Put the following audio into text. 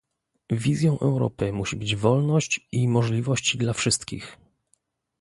Wizją Europy musi być wolność i możliwości dla wszystkich